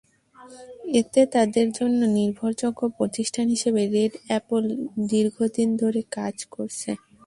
এতে তাঁদের জন্য নির্ভরযোগ্য প্রতিষ্ঠান হিসেবে রেড অ্যাপল দীর্ঘদিন ধরে কাজ করছে।